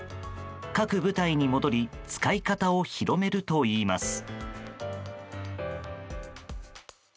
各部隊に戻り使い方を広めるといいます。